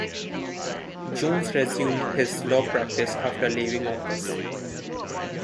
Jones resumed his law practice after leaving office.